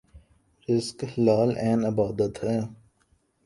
رزق حلال عین عبادت ہے